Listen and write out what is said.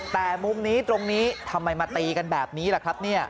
แต่มุมนี้ตรงนี้ทำไมมาตีกันแบบนี้ล่ะครับเนี่ย